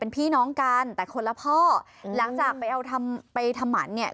พี่น้องกันแต่คนละพ่อหลังจากไปเอาทำไปทำหมันเนี่ย